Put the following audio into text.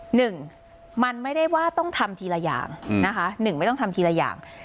หนึ่งมันไม่ได้ว่าต้องทำทีละอย่างนะคะหนึ่งไม่ต้องทำทีละอย่าง